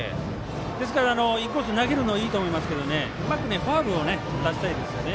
ですから、インコース投げるのいいと思いますがうまくフォアボールを出したいですよね。